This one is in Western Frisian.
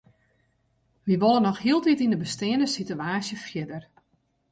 Wy wolle noch hieltyd yn de besteande sitewaasje fierder.